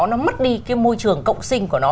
nó mất đi cái môi trường cộng sinh của nó